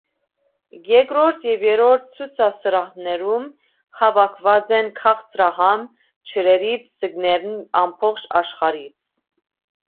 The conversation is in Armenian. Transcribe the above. Երկրորդ և երրորդ ցուցասրահներում հավաքված են քաղցրահամ ջրերի ձկներն ամբողջ աշխարհից։